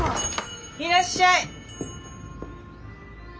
いらっしゃい。